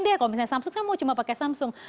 deh kalau misalnya samsung saya mau cuma pakai samsung